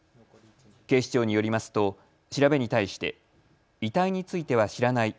警視庁によりますと調べに対して遺体については知らない。